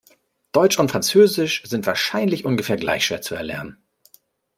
Deutsch und Französisch sind wahrscheinlich ungefähr gleich schwer zu erlernen.